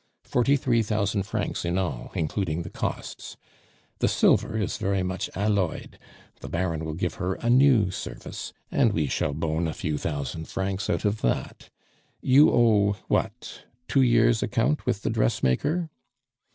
Forty three thousand francs in all, including the costs. The silver is very much alloyed; the Baron will give her a new service, and we shall bone a few thousand francs out of that. You owe what? two years' account with the dressmaker?"